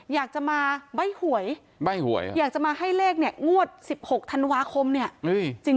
อยากจะมาใบ้หวยใบ้หวยอยากจะมาให้เลขเนี่ยงวด๑๖ธันวาคมเนี่ย